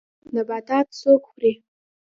نباتات څوک خوري